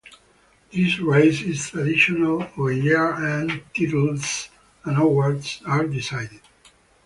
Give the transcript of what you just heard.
This race is traditionally when year-end titles and awards are decided.